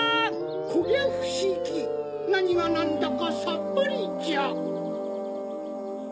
こりゃふしぎなにがなんだかサッパリじゃ。